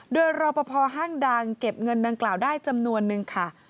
โดยรอปภห้างดังเก็บเงินดังกล่าวได้จำนวนนึงค่ะ